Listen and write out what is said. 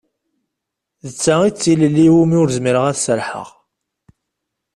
D ta i d tilelli iwumi ur zmireɣ ad as-serḥeɣ.